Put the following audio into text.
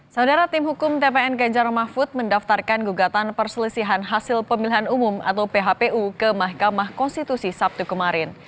saudara tim hukum tpn kejar mahfud mendaftarkan gugatan perselisihan hasil pemilihan umum atau phpu ke mahkamah konstitusi sabtu kemarin